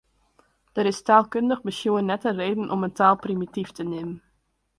Der is taalkundich besjoen net in reden om in taal primityf te neamen.